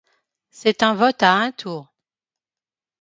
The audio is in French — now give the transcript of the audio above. C'est un vote à un tour.